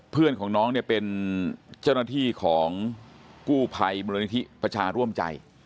เพื่อนของน้องเนี่ยเป็นเจ้าหน้าที่ของกู้ภัยมูลนิธิประชาร่วมใจ